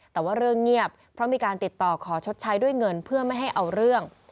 แต่ว่าเรื่องเงียบเพราะมีการติดต่อขอชดใช้ด้วยเงินเพื่อไม่ให้เอาเรื่อง